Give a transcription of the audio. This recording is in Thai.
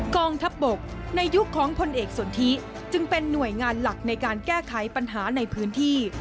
กองทัพบกในยุคของพลเอกสนทิจึงเป็นหน่วยงานหลักในการแก้ไขปัญหาในพื้นที่